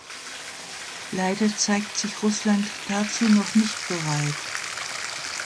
Leider zeigt sich Russland dazu noch nicht bereit.